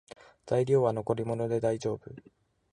材料は残り物でだいじょうぶ